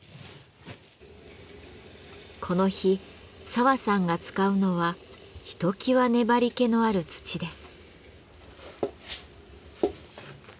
この日澤さんが使うのはひときわ粘りけのある土です。